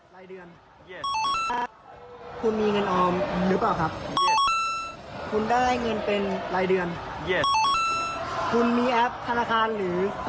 หรือสมุดธนาคาร